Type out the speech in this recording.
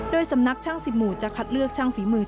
โดยสำนักช่างสิบหมู่จะคัดเลือกช่างฝีมือ